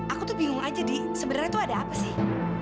aku tuh bingung aja deh sebenarnya tuh ada apa sih